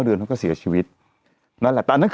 เราก็มีความหวังอะ